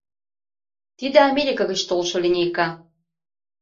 — Тиде — Америка гыч толшо линейка...